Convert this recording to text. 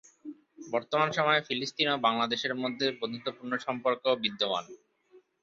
বর্তমান সময়ে ফিলিস্তিন ও বাংলাদেশের মধ্যে বন্ধুত্বপূর্ণ সম্পর্ক বিদ্যমান।